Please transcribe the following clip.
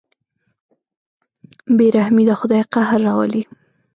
بېرحمي د خدای قهر راولي.